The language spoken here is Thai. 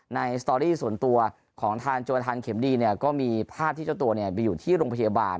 สตอรี่ส่วนตัวของทางโจรทานเข็มดีเนี่ยก็มีภาพที่เจ้าตัวไปอยู่ที่โรงพยาบาล